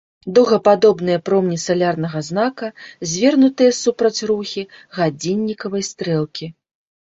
Дугападобныя промні салярнага знака звернутыя супраць рухі гадзіннікавай стрэлкі.